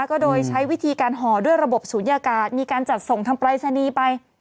ก็โดยใช้วิธีการห่อด้วยระบบศูนยากาศมีการจัดส่งทางปรายศนีย์ไป